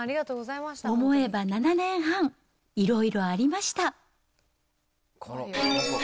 思えば７年半、いろいろありました。